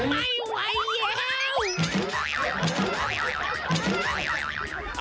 ไม่ไหวแล้ว